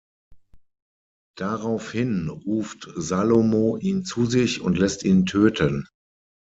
Daraufhin ruft Salomo ihn zu sich und lässt ihn töten.